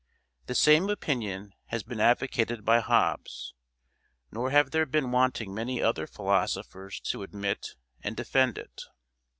The same opinion has been advocated by Hobbes; nor have there been wanting many other philosophers to admit and defend it.